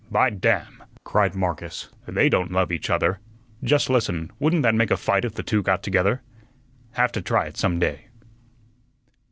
"By damn!" cried Marcus, "they don't love each other. Just listen; wouldn't that make a fight if the two got together? Have to try it some day."